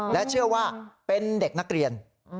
และเชื่อว่าเป็นเด็กนักเรียน